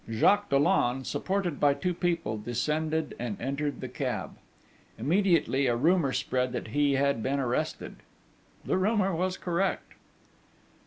Jacques Dollon, supported by two people, descended and entered the cab. Immediately a rumour spread that he had been arrested. This rumour was correct.